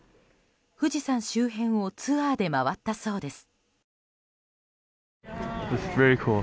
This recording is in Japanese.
富士山周辺をツアーで回ったそうです。